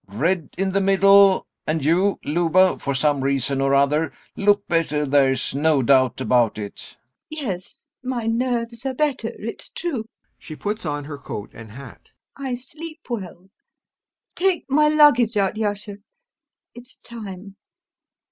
red in the middle; and you, Luba, for some reason or other, look better, there's no doubt about it. LUBOV Yes. My nerves are better, it's true. [She puts on her coat and hat] I sleep well. Take my luggage out, Yasha. It's time.